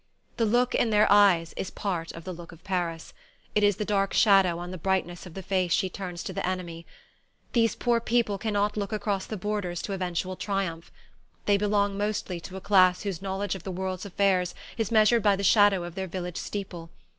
The look in their eyes is part of the look of Paris. It is the dark shadow on the brightness of the face she turns to the enemy. These poor people cannot look across the borders to eventual triumph. They belong mostly to a class whose knowledge of the world's affairs is measured by the shadow of their village steeple.